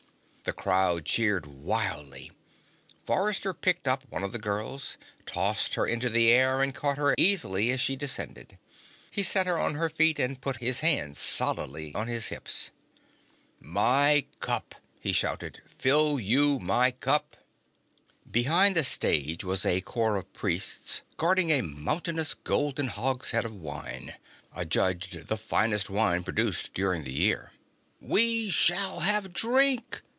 The crowd cheered wildly. Forrester picked up one of the girls, tossed her into the air and caught her easily as she descended. He set her on her feet and put his hands solidly on his hips. "My cup!" he shouted. "Fill you my cup!" Behind the stage was a corps of Priests guarding a mountainous golden hogshead of wine, adjudged the finest wine produced during the year. "We shall have drink!"